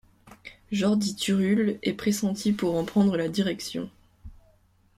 Jordi Turull est pressenti pour en prendre la direction.